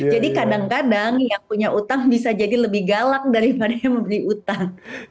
jadi kadang kadang yang punya utang bisa jadi lebih galak daripada yang membeli utang